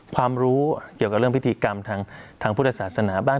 ความรู้เกี่ยวกับเรื่องพิธีกรรมทางพุทธศาสนาบ้าง